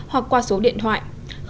hoặc qua số điện thoại